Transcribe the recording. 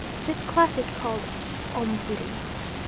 This class is called Ombwiri.